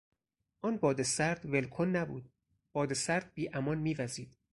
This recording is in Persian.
آن باد سرد ول کن نبود، باد سرد بیامان میوزید.